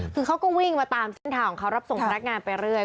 คือเขาก็วิ่งมาตามเส้นทางของเขารับส่งพนักงานไปเรื่อย